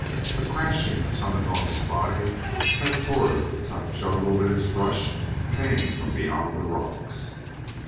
A crashing of some enormous body that tore the tough jungle in its rush came from beyond the rocks.